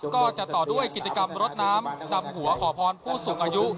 ก็จะต่อด้วยกิจกรรมรถน้ำดำหัวขอพรผู้สูงอายุ